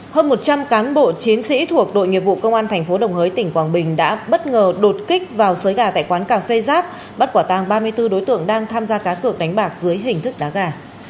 hơn một trăm linh cán bộ chiến sĩ thuộc đội nghiệp vụ công an thành phố đồng hới tỉnh quảng bình đã bất ngờ đột kích vào xới gà tại quán cà phê giáp bắt quả tàng ba mươi bốn đối tượng đang tham gia cá cược đánh bạc dưới hình thức đá gà